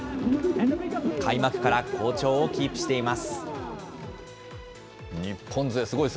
開幕から好調をキープしています。